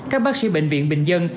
các bác sĩ bệnh viện bình dân